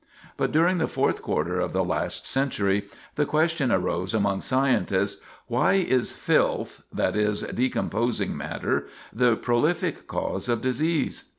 But during the fourth quarter of the last century the question arose among scientists, "Why is filth that is, decomposing matter the prolific cause of disease?"